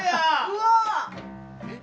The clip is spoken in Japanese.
うわ！